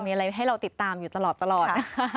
มีอะไรให้เราติดตามอยู่ตลอด